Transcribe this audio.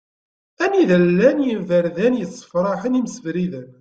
Anida i llan yiberdan i yessefraḥen imsebriden.